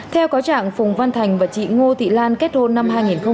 theo có trạng phùng văn thành và chị ngô thị lan kết hôn năm hai nghìn một mươi ba